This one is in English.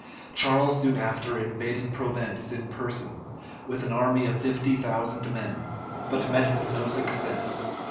Charles soon after invaded Provence in person, with an army of fifty thousand men; but met with no success.